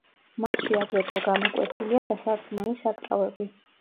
მასში აგრეთვე გამოკვეთილია დასარტყმელი საკრავები.